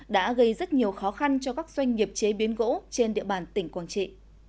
đã gây rất nhiều khó khăn cho các doanh nghiệp chế biến gỗ trên địa bàn tỉnh quảng trị